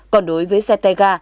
còn đối với xe tay ga